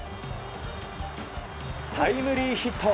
タイムリーヒット。